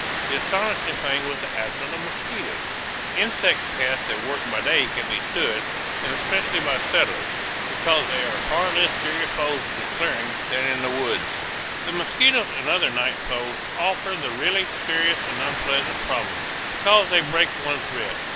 The astonishing thing was the absence of mosquitoes. Insect pests that work by day can be stood, and especially by settlers, because they are far less serious foes in the clearings than in the woods. The mosquitoes and other night foes offer the really serious and unpleasant problem, because they break one's rest.